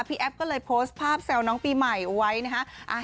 แอฟก็เลยโพสต์ภาพแซวน้องปีใหม่เอาไว้นะฮะ